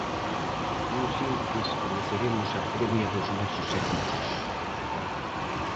Nuns intres coñeceremos a previa dos nosos equipos.